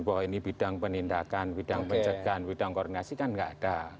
bahwa ini bidang penindakan bidang pencegahan bidang koordinasi kan nggak ada